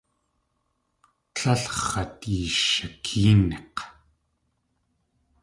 Tlél x̲at yishakéenik̲!